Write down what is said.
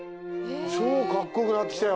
超カッコよくなってきたよ。